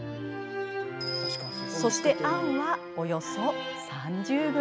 そしてあんはおよそ３０ｇ。